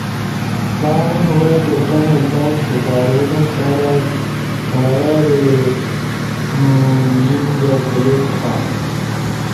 کامن وائس در تمو اکاونٹ سپارونو کارا کھارینو لنک جا کلک تھا۔